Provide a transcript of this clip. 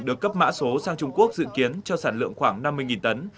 được cấp mã số sang trung quốc dự kiến cho sản lượng khoảng năm mươi tấn